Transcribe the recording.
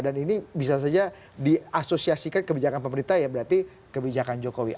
dan ini bisa saja diasosiasikan kebijakan pemerintah ya berarti kebijakan jokowi